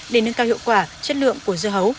để nâng cao hiệu quả chất lượng của dưa hấu